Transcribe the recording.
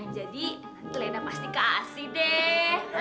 jadi lena pasti kasih deh